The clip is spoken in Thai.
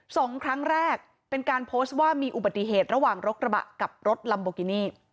สองครั้งแรกเป็นการโพสต์ว่ามีอุบัติเหตุระหว่างรถกระบะกับรถลัมโบกินี่